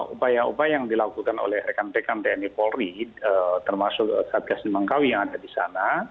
upaya upaya yang dilakukan oleh rekan rekan tni polri termasuk satgas nemangkawi yang ada di sana